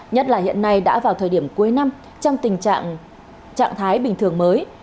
nhất là hiện nay đã vào thời điểm cuối năm trong tình trạng trạng thái bình thường mới